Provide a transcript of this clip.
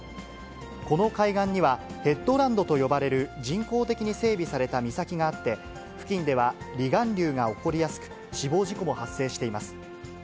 この海岸には、ヘッドランドと呼ばれる人工的に整備された岬があって、付近では、離岸流が起こりやすく、死亡事故も発生しています。